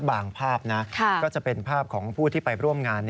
ภาพนะก็จะเป็นภาพของผู้ที่ไปร่วมงาน